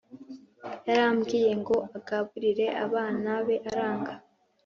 Yaramubwiye ngo agaburire abana be aranga